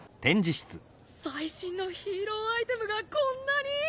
最新のヒーローアイテムがこんなに！